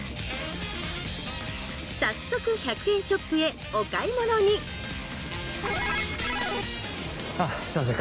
早速１００円ショップへお買い物にあすいません。